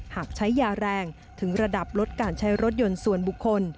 หากใช้ยาแรงถึงระดับลดการใช้รถยนต์ส่วนบุคคล